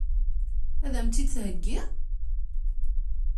Ad m-tt-id-theggi?